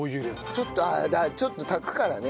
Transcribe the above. ちょっとちょっと炊くからね。